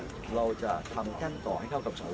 สาววอลควรต้องหวนตามธรรมติของประชาชน